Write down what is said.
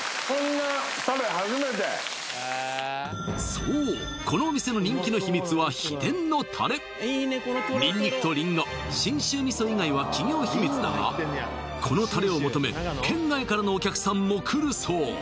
そうこのお店のニンニクとリンゴ信州味噌以外は企業秘密だがこのタレを求め県外からのお客さんも来るそう